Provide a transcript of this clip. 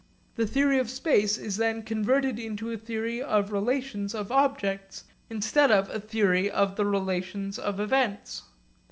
The theory of space is then converted into a theory of the relations of objects instead of a theory of the relations of events.